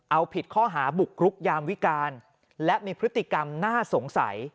เอาผิดข้อหาบุกรุกยามวิการและมีพฤติกรรมน่าสงสัย